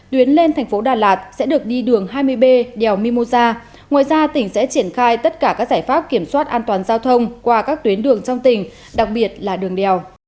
tuyến lên thành phố đà lạt sẽ được đi đường hai mươi b đèo mimosa ngoài ra tỉnh sẽ triển khai tất cả các giải pháp kiểm soát an toàn giao thông qua các tuyến đường trong tỉnh đặc biệt là đường đèo